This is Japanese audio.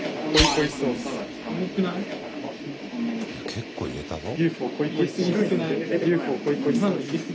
結構入れたぞ。